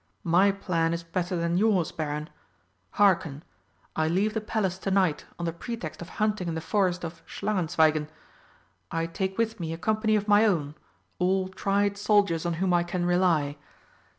My plan is better than yours, Baron. Hearken: I leave the Palace to night on the pretext of hunting in the Forest of Schlangenzweigen. I take with me a company of my own all tried soldiers on whom I can rely.